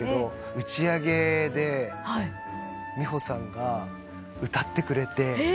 打ち上げで美穂さんが歌ってくれて。